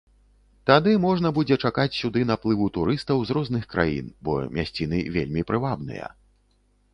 Тады можна будзе чакаць сюды наплыву турыстаў з розных краін, бо мясціны вельмі прывабныя.